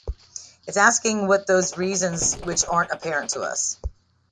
It’s asking what those reasons which aren’t apparent are.